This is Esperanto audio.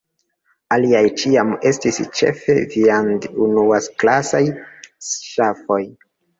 Aliaj ĉiam estis ĉefe viand-unuaklasaj ŝafoj.